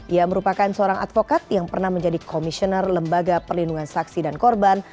ia merupakan seorang advokat yang pernah menjadi komisioner lembaga perlindungan saksi dan korban